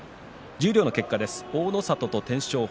十両の結果です。